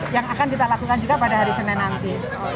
yang akan kita lakukan juga pada hari senin nanti